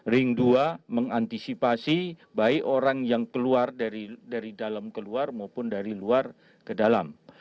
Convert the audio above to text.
ring dua mengantisipasi baik orang yang keluar dari dalam keluar maupun dari luar ke dalam